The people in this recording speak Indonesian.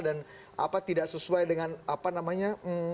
dan apa tidak sesuai dengan apa namanya